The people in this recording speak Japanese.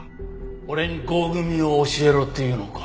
俺に合組を教えろっていうのか？